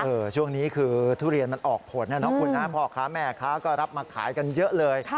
ช่วงนี้คือทุเรียนมันออกผลนะเนาะคุณนะพ่อค้าแม่ค้าก็รับมาขายกันเยอะเลย